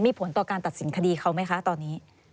มีผลต่อการตัดสินคดีเขาไหมคะตอนนี้